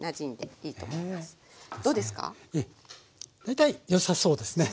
大体よさそうですね。